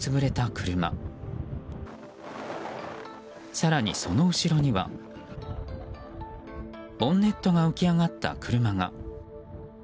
更にその後ろにはボンネットが浮き上がった車が。